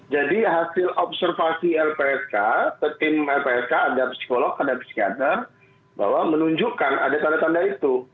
jadi hasil observasi lpsk tim lpsk ada psikolog ada psikiater bahwa menunjukkan ada tanda tanda itu